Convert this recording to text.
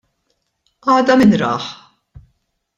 Għada min rah?!